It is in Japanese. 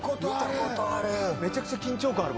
めちゃくちゃ緊張感ある。